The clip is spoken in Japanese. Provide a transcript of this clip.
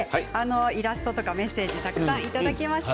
イラストとかメッセージたくさんいただきました。